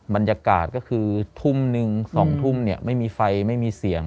บรรยากาศก็คือทุ่มหนึ่ง๒ทุ่มเนี่ยไม่มีไฟไม่มีเสียง